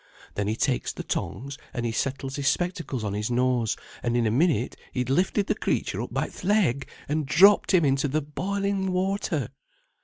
Then he takes the tongs, and he settles his spectacles on his nose, and in a minute he had lifted the creature up by th' leg, and dropped him into the boiling water."